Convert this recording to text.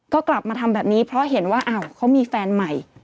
ก็กลับมาทำแบบนี้เพราะเห็นว่าอ้าวเขามีแฟนใหม่